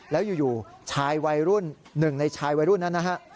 แล้วอยู่ชายวัยรุ่นหนึ่งในชายวัยรุ่นนั้นนะฮะ